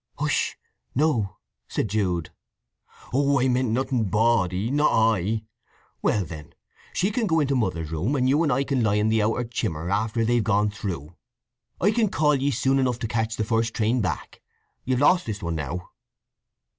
"Hsh—no!" said Jude. "Oh—I meant nothing ba'dy—not I! Well then, she can go into Mother's room, and you and I can lie in the outer chimmer after they've gone through. I can call ye soon enough to catch the first train back. You've lost this one now."